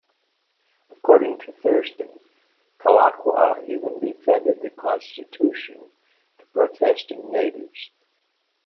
According to Thurston, Kalakaua even defended the constitution to protesting natives.